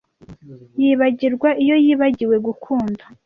yibagirwa, iyo yibagiwe gukunda,